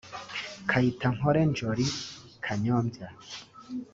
Kayitankore Ndjoli (Kanyombya)